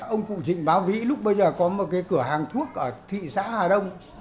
ông cụ trịnh bá vĩ lúc bây giờ có một cái cửa hàng thuốc ở thị xã hà đông